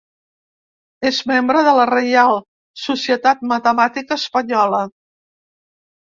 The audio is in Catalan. És membre de la Reial Societat Matemàtica Espanyola.